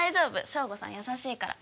省吾さん優しいから。